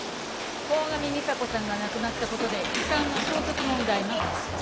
鴻上美沙子さんが亡くなった事で遺産の相続問題が発生する。